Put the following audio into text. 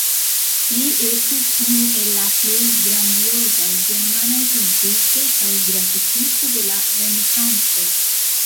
Li estis unu el la plej grandiozaj germanaj pentristoj kaj grafikisto de la Renesanco.